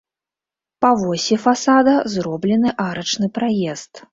Па восі фасада зроблены арачны праезд.